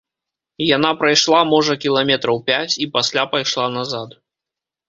Яна прайшла, можа, кіламетраў пяць і пасля пайшла назад.